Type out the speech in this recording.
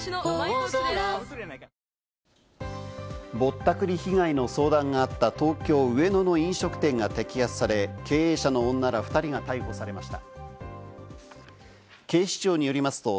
ぼったくり被害の相談があった東京・上野の飲食店が摘発され、経営者の女ら２人が逮捕されました。